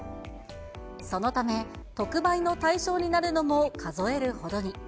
そのため特売の対象になるのも数えるほどに。